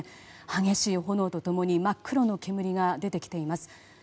激しい炎と共に真っ黒な煙が出てきています。